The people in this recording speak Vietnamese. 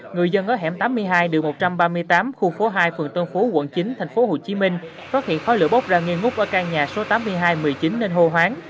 người dân ở hẻm tám mươi hai một trăm ba mươi tám khu phố hai phường tân phú quận chín tp hcm phát hiện khói lửa bốc ra nghi ngút ở căn nhà số tám mươi hai một mươi chín nên hô hoáng